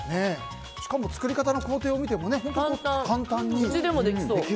しかも、作り方の工程を見ても私でもできそう。